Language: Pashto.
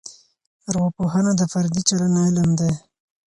ارواپوهنه د فردي چلند علم دی.